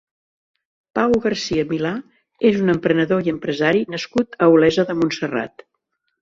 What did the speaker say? Pau Garcia-Milà és un emprenedor i empresari nascut a Olesa de Montserrat.